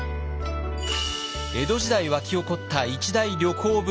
江戸時代沸き起こった一大旅行ブーム。